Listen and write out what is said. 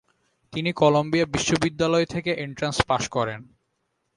তিনি কলম্বিয়া বিশ্ববিদ্যালয় থেকে এন্ট্রান্স পাশ করেন।